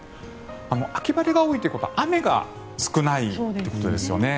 秋晴れが多いということは雨が少ないということですよね。